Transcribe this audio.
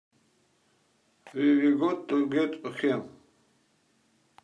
We've got to get to them!